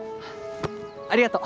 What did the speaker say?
ありがとう！